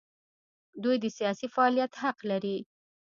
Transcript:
دوی د سیاسي فعالیت حق لري.